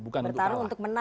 bukan untuk kalah